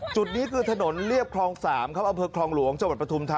จุดนี้คือถนนเรียบครองสามครับ